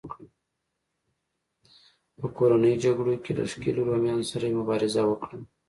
په کورنیو جګړو کې له ښکېلو رومیانو سره یې مبارزه وکړه